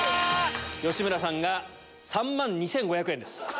吉村さんが３万２５００円です。